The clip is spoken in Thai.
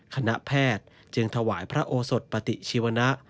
คณะแพทย์จึงถวายพระโอสดปฏิชีวนะ